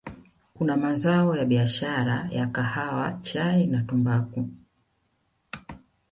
kuna mazao ya biashara ya Kahawa Chai na Tumbaku